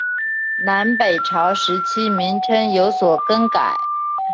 南北朝时期名称有所更改。